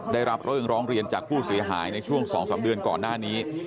ได้รับเรื่องร้องเรียนจากผู้เสียหายในช่วง๒๓เดือนก่อนหน้านี้